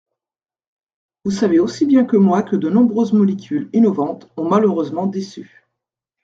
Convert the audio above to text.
Vous savez aussi bien que moi que de nombreuses molécules innovantes ont malheureusement déçu.